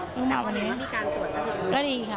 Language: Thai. อีกหน่อยวันนี้มันมีการตรวจได้ไหม